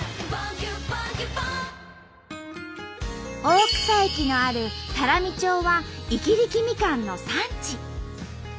大草駅のある多良見町は伊木力みかんの産地。